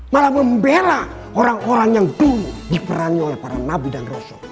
malah membela orang orang yang dulu diperangi oleh para nabi dan rasul